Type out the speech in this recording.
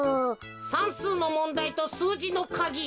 さんすうのもんだいとすうじのかぎ。